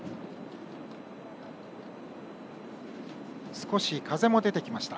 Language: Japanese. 少し風も出てきました。